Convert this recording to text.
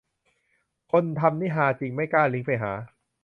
คนทำนี่ฮาจริง ไม่กล้าลิงก์ไปหา